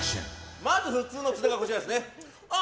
まず普通の津田がこちらですね。